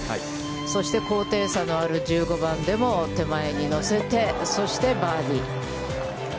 そして高低差のある１５番でも手前に乗せて、そしてバーディー。